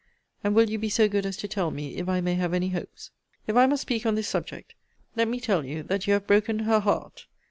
And will you be so good as to tell me, if I may have any hopes? If I must speak on this subject, let me tell you that you have broken her heart.